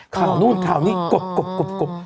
ข่าวนู่นข่าวนี้กบ